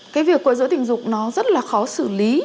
cái việc quấy dối tình dục nó rất là khó xử lý